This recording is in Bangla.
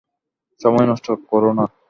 সময় নষ্ট কোরো না!